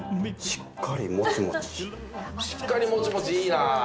しっかりもちもちいいな。